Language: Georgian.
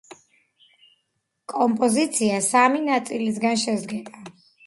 კომპოზიცია სამი ნაწილისგან შედგება.